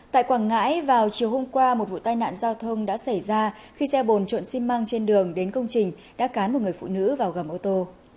tại quảng ngãi vào chiều hôm qua một vụ tai nạn giao thông đã xảy ra khi xe bồn trộn xi măng trên đường đến công trình đã cán một người phụ nữ vào gầm ô tô